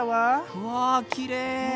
うわきれい。